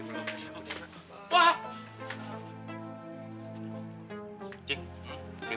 gua belum mati